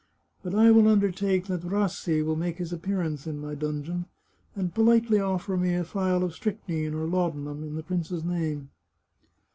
But I will undertake that Rassi will make his appearance in my dungeon, and politely oflfer me a phial of strychnine or laudanum, in the prince's name.